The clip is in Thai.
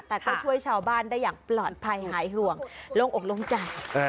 แต่ก็ช่วยชาวบ้านได้อย่างปลอดภัยหายห่วงลงอกลงใจ